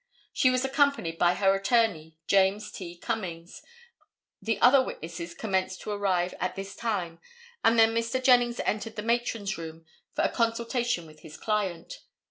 She was accompanied by her attorney, James T. Cummings. The other witnesses commenced to arrive at this time and then Mr. Jennings entered the matron's room for a consultation with his client.